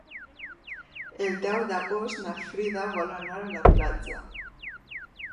El deu d'agost na Frida vol anar a la platja.